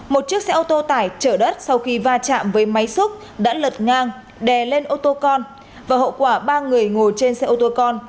một chiếc xe ô tô tải trở đất sau khi va chạm với máy xúc đã lật ngang đè lên ô tô con và hậu quả ba người ngồi trên xe ô tô con